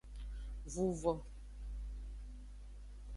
Vuvo.